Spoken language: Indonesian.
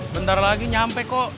bentar lagi nyampe kok